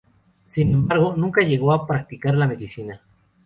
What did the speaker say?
Sin embargo, nunca llegó a practicar la medicina.